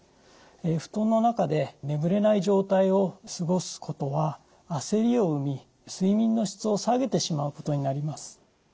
布団の中で眠れない状態を過ごすことは焦りを生み睡眠の質を下げてしまうことになります。